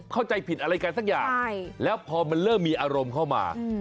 เข้าใจผิดอะไรกันสักอย่างแล้วพอมันเริ่มมีอารมณ์เข้ามา